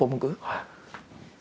はい。